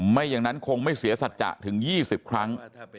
ไม่อย่างนั้นคงไม่เสียสัจจะถึง๒๐ครั้ง